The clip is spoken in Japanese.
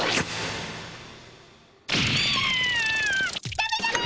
ダメダメ！